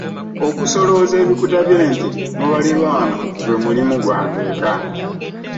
Okusolooza ebikuta by'ente mu baliraanwa gwe mulimu gwange eka.